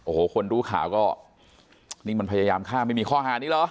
โอ้โหคนรู้ข่าวก็นี่มันพยายามฆ่าไม่มีข้อหานี้เหรอ